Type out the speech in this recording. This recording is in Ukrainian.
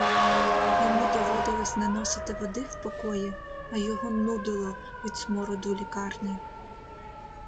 Йому доводилось наносити води в покої, а його нудило від смороду лікарні.